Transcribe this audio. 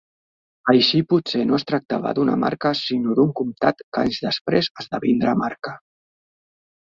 Així potser no es tractava d'una marca sinó d'un comtat que anys després esdevindrà marca.